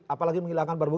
apalagi menghilangkan barbuk